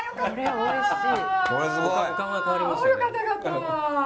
おいしい！